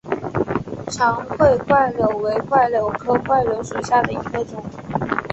长穗柽柳为柽柳科柽柳属下的一个种。